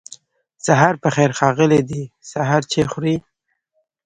سهار پخير ښاغلی دی سهار چای خوری